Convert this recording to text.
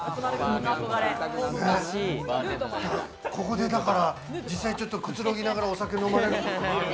ここでだから、実際くつろぎながらお酒を飲まれると。